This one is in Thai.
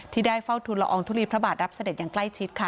ที่ได้เฝ้าทุนละอองทุลีพระบาทรับเสด็จอย่างใกล้ชิดค่ะ